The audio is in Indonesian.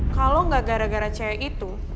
kalau nggak gara gara cewek itu